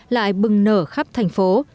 lại bừng nở khắp thành phố